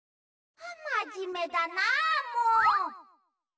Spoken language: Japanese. まじめだなあもう。